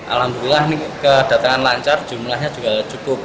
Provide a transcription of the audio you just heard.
alhamdulillah ini kedatangan lancar jumlahnya juga cukup